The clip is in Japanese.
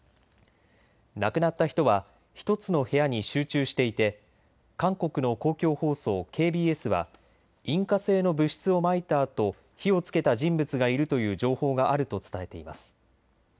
亡くなった人は１つの部屋に集中していて韓国の公共放送ＫＢＳは引火性の物質をまいたあと火をつけた人物がいるという情報があると伝えています。